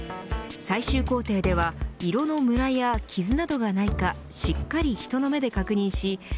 最終工程では色のむらや傷などがないかしっかり人の目で確認し